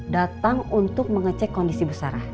datang untuk mengecek kondisi busara